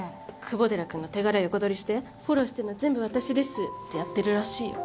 ・久保寺君の手柄横フォローしてんの全部私ですってやってるらしいよ。